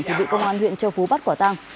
thì bị công an huyện châu phú bắt quả tăng